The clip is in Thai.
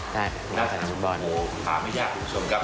ใช่มองที่สนามฟุตบอลโอ้โฮหาไม่ยากคุณผู้ชมครับ